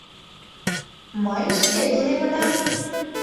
— Мый шке тунемынам.